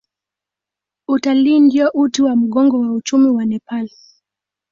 Utalii ndio uti wa mgongo wa uchumi wa Nepal.